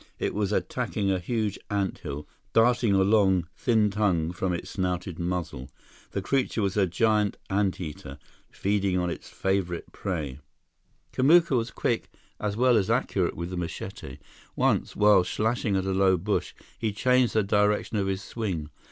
It was attacking a huge anthill, darting a long, thin tongue from its snouted muzzle. The creature was a giant anteater, feeding on its favorite prey. [Illustration: Up popped a group of tawny natives] Kamuka was quick as well as accurate with the machete. Once, while slashing at a low bush, he changed the direction of his swing.